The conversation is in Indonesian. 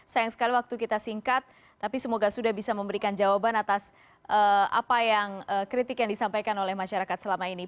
sayang sekali waktu kita singkat tapi semoga sudah bisa memberikan jawaban atas apa yang kritik yang disampaikan oleh masyarakat selama ini